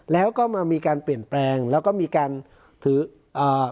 แล้วก็มามีการเปลี่ยนแปลงแล้วก็มีการถืออ่า